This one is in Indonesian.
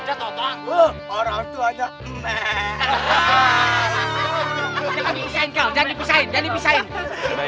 jangan dipisahin kau jangan dipisahin